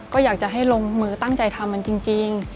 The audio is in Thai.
ก็อยากจะให้ลงมือตั้งใจทำมันจริง